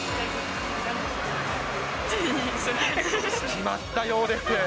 決まったようです。